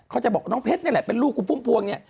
เขาจะบอกน้องเพชรนี่แหละเป็นลูกคุณพุ่มพวงเนี่ย